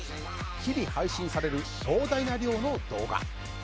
日々配信される膨大な量の動画。